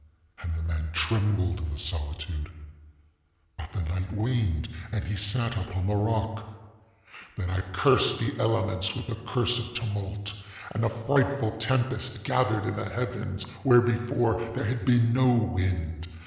And the man trembled in the solitude; ŌĆöbut the night waned and he sat upon the rock. ŌĆ£Then I cursed the elements with the curse of tumult; and a frightful tempest gathered in the heaven where, before, there had been no wind.